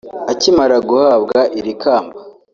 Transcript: Akimara guhabwa iri kamba